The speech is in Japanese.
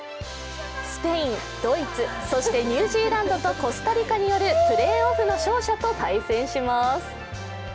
スペイン、ドイツ、そしてニュージーランドとコスタリカによるプレーオフの勝者と対戦します。